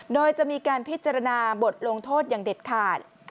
โดยจะมีการพิจารณาบทลงโทษอย่างเด็ดขาด